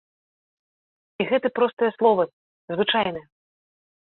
І гэты простыя словы, звычайныя.